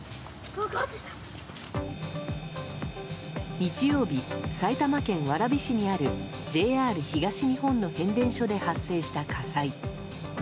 日曜日、埼玉県蕨市にあるＪＲ東日本の変電所で発生した火災。